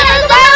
ustadz tadi ada